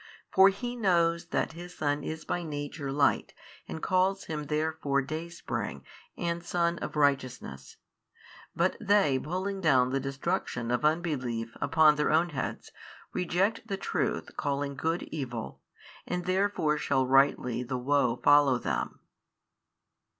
For He knows that His Son is by Nature Light and calls Him therefore Dayspring and San of Righteousness, but they pulling down the destruction of unbelief upon their own heads reject the Truth calling good evil and therefore shall rightly the Woe follow them.